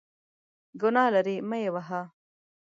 ګناه لري ، مه یې وهه !